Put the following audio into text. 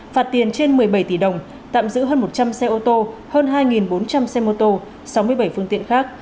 phạt tiền trên một mươi bảy tỷ đồng tạm giữ hơn một trăm linh xe ô tô hơn hai bốn trăm linh xe mô tô sáu mươi bảy phương tiện khác